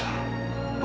bukan karena bapak